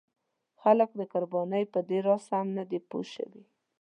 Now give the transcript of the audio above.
خلک د قربانۍ په دې راز سم نه دي پوه شوي.